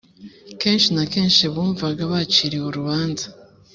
kenshi na kenshi bumvaga baciriwe urubanza